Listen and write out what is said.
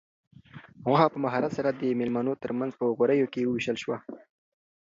غوښه په مهارت سره د مېلمنو تر منځ په غوریو کې وویشل شوه.